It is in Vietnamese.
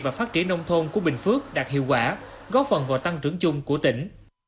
và phát triển nông thôn của bình phước đạt hiệu quả góp phần vào tăng trưởng chung của tỉnh